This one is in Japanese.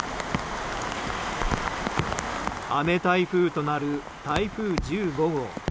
雨台風となる台風１５号。